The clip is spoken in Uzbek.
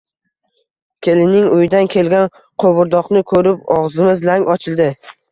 Kelinning uyidan kelgan qovurdoqni ko‘rib og‘zimiz lang ochildi